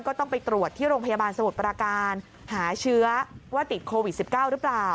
ก็ต้องไปตรวจที่โรงพยาบาลสมุทรปราการหาเชื้อว่าติดโควิด๑๙หรือเปล่า